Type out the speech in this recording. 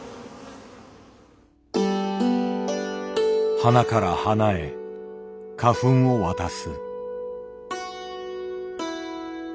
花から花へ花粉を渡す。